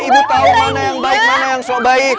ibu tau mana yang baik mana yang sok baik